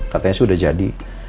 katanya sih udah jadi